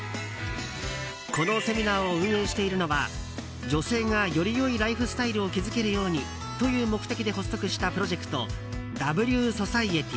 このセミナーを運営しているのは女性がより良いライフスタイルを築けるようにという目的で発足したプロジェクトＷｓｏｃｉｅｔｙ。